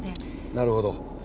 なるほど。